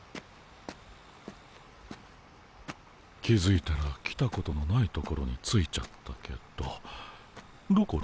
気付いたら来たことのないところに着いちゃったけどどこだ？